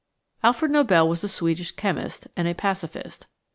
Alfred Nobe] was a Swedish chemist and a pacifist.